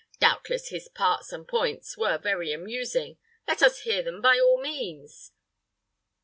"Doubtless his parts and points were very amusing. Let us hear them, by all means."